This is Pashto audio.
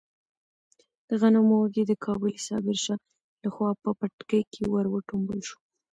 د غنمو وږی د کابلي صابر شاه لخوا په پټکي کې ور وټومبل شو.